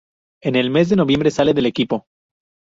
En el mes de noviembre sale del equipo.